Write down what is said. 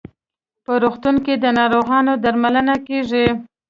په روغتون کې د ناروغانو درملنه کیږي.